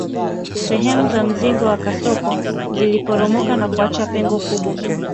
Sehemu za mzingo wa kasoko ziliporomoka na kuacha pengo kubwa